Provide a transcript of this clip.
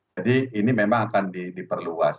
jadi ini memang akan diperluas